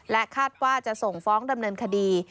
คาดว่าจะส่งฟ้องดำเนินคดี